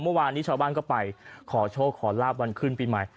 เมื่อวานนี้ชาวบ้านก็ไปขอโชคขอลาบวันขึ้นปีใหม่